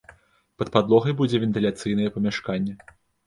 Пад падлогай будзе вентыляцыйнае памяшканне.